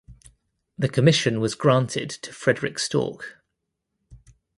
The commission was granted to Frederic Storck.